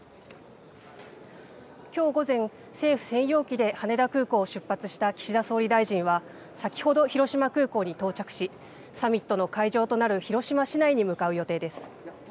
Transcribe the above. きょう午前、政府専用機で羽田空港を出発した岸田総理大臣は先ほど広島空港に到着し、サミットの会場となる広島市内に向かう予定です。